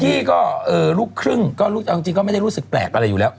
พี่ก็ลูกครึ่งก็ลูกเอาจริงก็ไม่ได้รู้สึกแปลกอะไรอยู่แล้ว